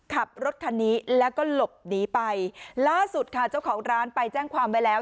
ขับรถคันนี้แล้วก็หลบหนีไปล่าสุดค่ะเจ้าของร้านไปแจ้งความไว้แล้ว